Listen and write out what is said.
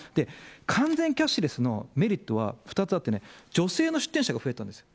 完全キャッシュレスのメリットは２つあってね、女性の出店者が増えたんです。